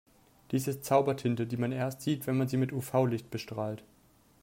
Dies ist Zaubertinte, die man erst sieht, wenn man sie mit UV-Licht bestrahlt.